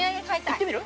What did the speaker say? ◆行ってみる？